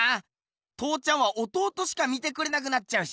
父ちゃんは弟しか見てくれなくなっちゃうしな。